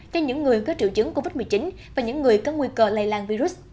cho những người có triệu chứng covid một mươi chín và những người có nguy cơ lây lan virus